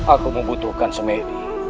aku membutuhkan semedi